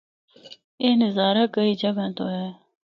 اے نظارہ کئ جگہ تو ہے۔